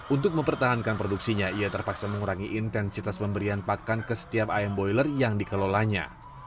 untuk mempertahankan produksinya ia terpaksa mengurangi intensitas pemberian pakan ke setiap ayam boiler yang dikelolanya